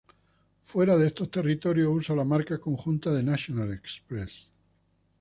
Fuera de estos territorios usa la marca conjunta de National Express.